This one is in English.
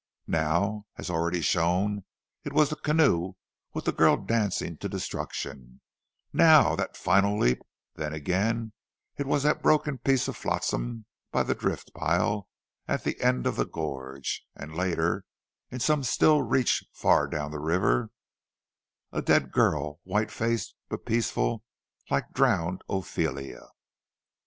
Now, as already shown, it was the canoe with the girl dancing to destruction, now that final leap; then again it was that broken piece of flotsam by the drift pile at the end of the gorge; and later, in some still reach far down the river, a dead girl, white faced, but peaceful, like drowned Ophelia.